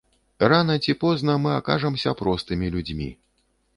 Рана ці позна мы акажамся простымі людзьмі.